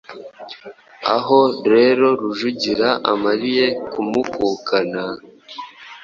Aho rero Rujugira amariye kumukukana,